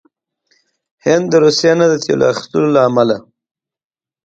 هند روسيې نه د تیلو د اخیستلو له امله